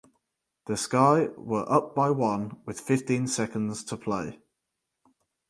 The Sky were up by one with fifteen seconds to play.